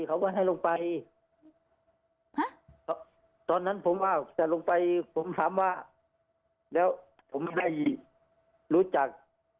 เขาก็ให้ลงไปตอนนั้นผมว่าแต่ลงไปผมถามว่าแล้วผมได้รู้จัก